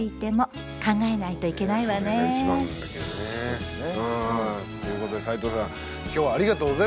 うん。ということで斉藤さん今日はありがとうございましたいろいろ。